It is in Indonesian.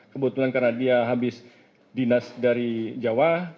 kebetulan karena dia habis dinas dari jawa